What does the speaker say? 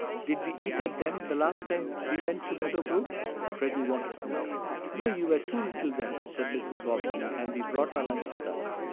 "Did we eat at them the last time we went to Meadow Brook?" Freddie wanted to know. "No, you were too little then," said Mrs. Bobbsey, "and we brought our lunch with us.